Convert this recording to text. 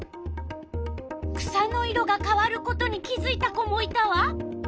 草の色が変わることに気づいた子もいたわ。